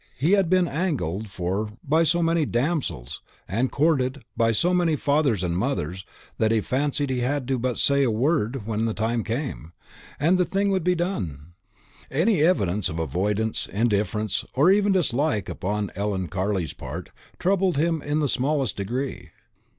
He had been angled for by so many damsels, and courted by so many fathers and mothers, that he fancied he had but to say the word when the time came, and the thing would be done. Any evidence of avoidance, indifference, or even dislike upon Ellen Carley's part, troubled him in the smallest degree.